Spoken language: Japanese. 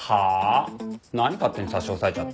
何勝手に差し押さえちゃってんの？